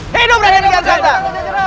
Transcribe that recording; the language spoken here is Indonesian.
hidup raden kian santang